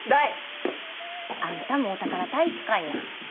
あんたもお宝体質かいな。